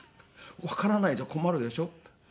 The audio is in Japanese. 「わからないじゃ困るでしょ。